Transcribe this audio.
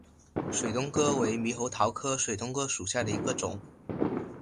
水东哥为猕猴桃科水东哥属下的一个种。